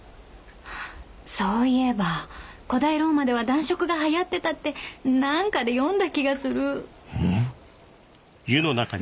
そういえば古代ローマでは男色が流行ってたって何かで読んだ気がするんんっ？